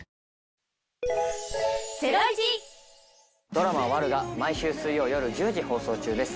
ドラマ『悪女』が毎週水曜、夜１０時放送中です。